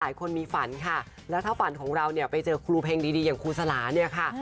หลายคนมีฝันค่ะแล้วถ้าฝันของเราเนี่ยไปเจอครูเพลงดีอย่างครูสลาเนี่ยค่ะ